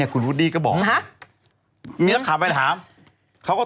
คุณวูดดี้ก็บอก